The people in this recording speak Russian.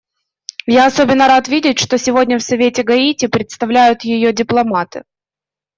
Я особенно рад видеть, что сегодня в Совете Гаити представляют ее дипломаты.